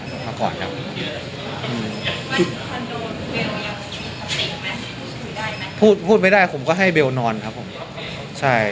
มาก่อนครับอือคอนโดพูดได้ไหมพูดพูดไม่ได้ผมก็ให้เบลนอนครับผมใช่